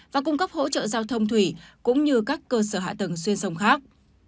và cung cấp hỗ trợ giao thông thủy cũng như các cơ sở hạ tầng xuyên sông khác